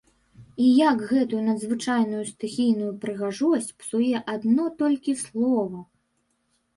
І як гэтую надзвычайную стыхійную прыгажосць псуе адно толькі слова!